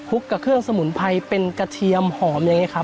กับเครื่องสมุนไพรเป็นกระเทียมหอมอย่างนี้ครับ